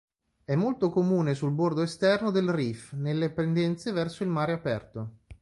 È molto comune sul bordo esterno del reef nelle pendenze verso il mare aperto.